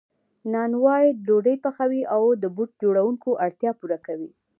نانوای ډوډۍ پخوي او د بوټ جوړونکي اړتیا پوره کوي